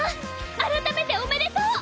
改めておめでとう。